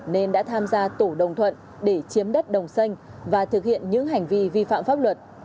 nên đã tham gia tổ đồng thuận để chiếm đất đồng xanh và thực hiện những hành vi vi phạm pháp luật